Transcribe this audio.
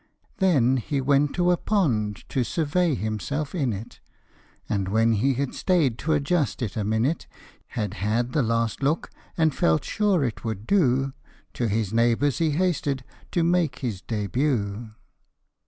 " Then he went to a pond to survey himself in it, And when he had stay'd to adjust it a minute, Had had the last look, and felt sure it would do, To his neighbours he hasted to make his debut.